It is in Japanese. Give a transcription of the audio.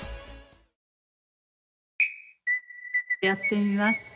やってみます